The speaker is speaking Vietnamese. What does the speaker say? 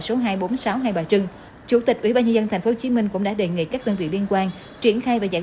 số hai trăm bốn mươi sáu hai bà trưng chủ tịch ubnd tp hcm cũng đã đề nghị các tân vị liên quan triển khai và giải